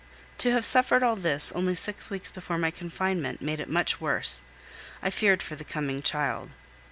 To have suffered all this only six weeks before my confinement made it much worse; I feared for the coming child.